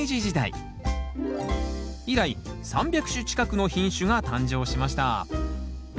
以来３００種近くの品種が誕生しました